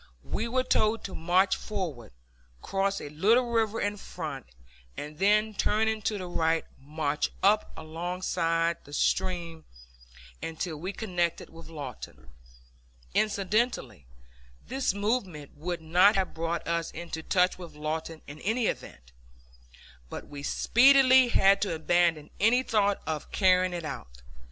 We were told to march forward, cross a little river in front, and then, turning to the right, march up alongside the stream until we connected with Lawton. Incidentally, this movement would not have brought us into touch with Lawton in any event. But we speedily had to abandon any thought of carrying it out.